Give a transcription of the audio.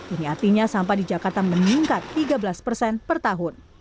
ini artinya sampah di jakarta meningkat tiga belas persen per tahun